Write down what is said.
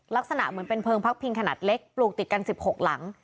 ลักษณะเหมือนเป็นเพลิงพักพิงขนาดเล็กปลูกติดกัน๑๖หลัง